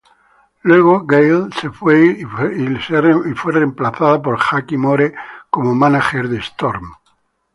Luego, Gail se fue y fue reemplazada por Jackie Moore como mánager de Storm.